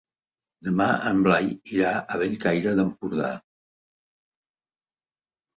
Demà en Blai irà a Bellcaire d'Empordà.